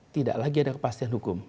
tidak lagi ada kepastian hukum